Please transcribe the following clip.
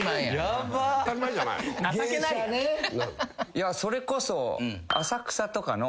いやそれこそ。